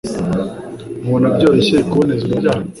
mubona byoroshye kuboneza urubyaro